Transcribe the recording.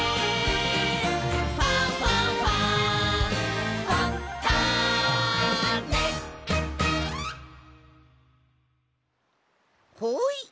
「ファンファンファン」ほい！